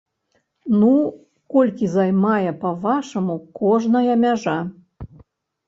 Ну, колькі займае, па-вашаму, кожная мяжа?